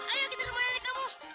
ayo kita ke rumah nenek kamu